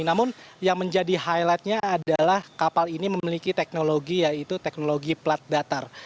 namun yang menjadi highlightnya adalah kapal ini memiliki teknologi yaitu teknologi plat datar